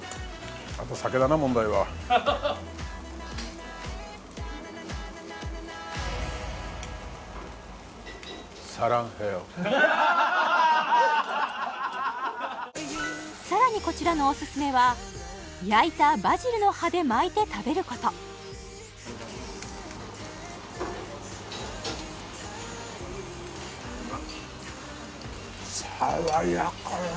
あと酒だな問題はさらにこちらのオススメは焼いたバジルの葉で巻いて食べること爽やか！